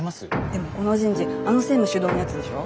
でもこの人事あの専務主導のやつでしょ？